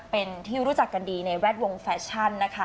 เป็นที่รู้จักกันดีในแวดวงแฟชั่นนะคะ